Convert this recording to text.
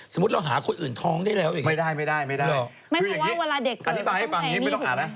สมมุติเล่าหาคนอื่นท้องได้แล้วไงนะครับหรือเปล่าแพทย์จริงสินะครับ